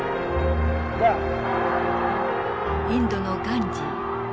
インドのガンジー。